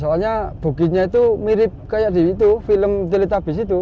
soalnya bukitnya itu mirip kayak di itu film teletabis itu